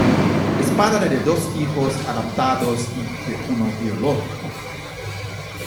Es padre de dos hijos adoptados y de uno biológico.